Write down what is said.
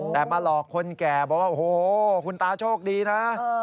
แต่มาหลอกคนแก่บอกว่าโอ้โหคุณตาโชคดีนะ